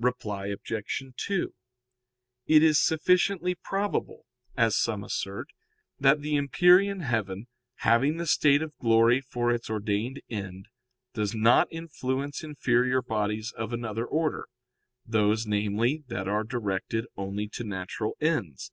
Reply Obj. 2: It is sufficiently probable, as some assert, that the empyrean heaven, having the state of glory for its ordained end, does not influence inferior bodies of another order those, namely, that are directed only to natural ends.